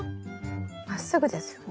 まっすぐですよね。